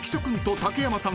竹山さん。